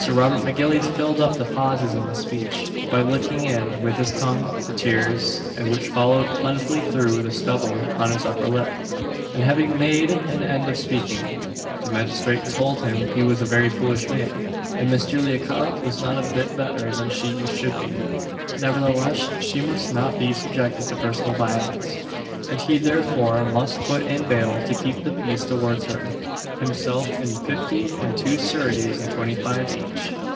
Robert M'Gillies filled up the pauses in this speech, by licking in with his tongue the tears, &c. which flowed plentifully through the stubble on his upper lip; and having made an end of speaking The magistrate told him he was a very foolish man, and Miss Julia Cob was not a bit better than she should be; nevertheless she must not be subjected to personal violence, and he therefore must put in bail to keep the peace towards her himself in 50_l._ and two sureties in 25_l._ each.